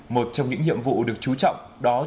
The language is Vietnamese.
một trong những nhiệm vụ được chú trọng đó chính là đối tượng